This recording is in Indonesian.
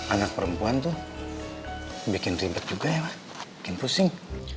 anak perempuan tuh bikin ribet juga ya bikin pusing